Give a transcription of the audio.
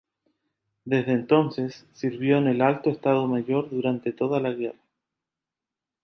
Desde entonces, sirvió en el Alto Estado Mayor durante toda la guerra.